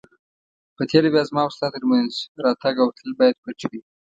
په تېره بیا زما او ستا تر مینځ راتګ او تلل باید پټ وي.